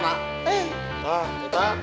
eh pak kita